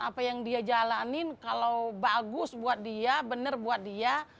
apa yang dia jalanin kalau bagus buat dia benar buat dia